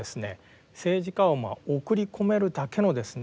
政治家をまあ送り込めるだけのですね